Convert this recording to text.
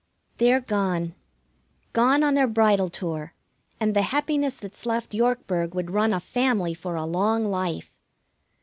They're gone. Gone on their bridal tour, and the happiness that's left Yorkburg would run a family for a long life.